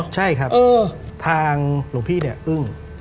ใช่ครับทางหลวงพี่เนี่ยอึ้ง